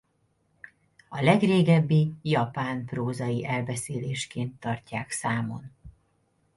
A legrégebbi japán prózai elbeszélésként tartják számon.